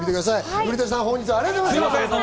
古舘さん、本日はありがとうございました。